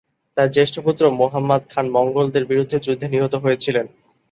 তার জ্যেষ্ঠ পুত্র মুহাম্মদ খান মঙ্গোলদের বিরুদ্ধে যুদ্ধে নিহত হয়েছিলেন।